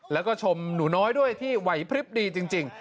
แล้วก็ชมหนูน้อยด้วยที่ไหวพลิบดีจริง